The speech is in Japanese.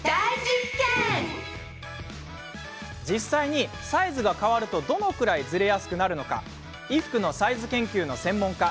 実際にサイズが変わるとどのくらいズレやすくなるのか衣服のサイズ研究の専門家